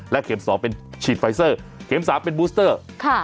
เข็ม๒เป็นฉีดไฟเซอร์เข็ม๓เป็นบูสเตอร์ค่ะ